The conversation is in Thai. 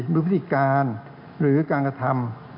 มือพิธีการหรือการกระทำ